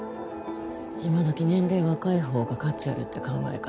今時年齢若いほうが価値あるって考え方